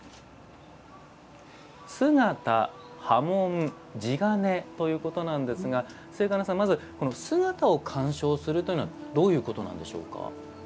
姿、刃文、地鉄ということですが末兼さん、まず姿を鑑賞するというのはどういうことなんでしょうか。